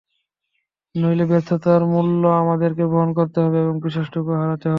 নইলে ব্যর্থতার মূল্য আমাদেরই বহন করতে হবে এবং বিশ্বাসটুকুও হারাতে হবে।